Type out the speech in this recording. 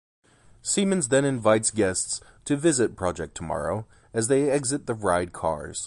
Siemens then invites guests to visit Project Tomorrow as they exit the ride cars.